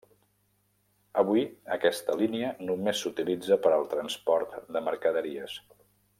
Avui aquesta línia només s'utilitza per al transport de mercaderies.